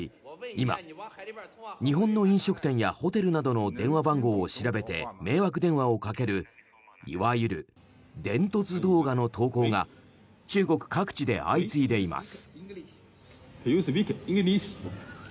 今、日本の飲食店やホテルなどの電話番号を調べて迷惑電話をかけるいわゆる電凸動画の投稿が中国各地で相次いでいます。